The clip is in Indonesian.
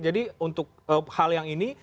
jadi untuk hal yang ini